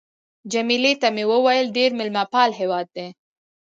جميله ته مې وویل: ډېر مېلمه پال هېواد دی.